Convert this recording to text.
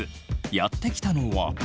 やって来たのは。